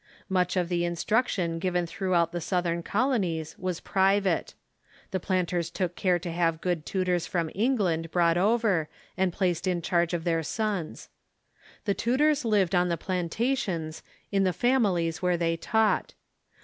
Much of the instruction given throughout the South ern colonies was j^rivate. The planters took care to have good tutors from England brought over and placed in charge of their sons. The tutors lived on the plantations, in the families where they taught.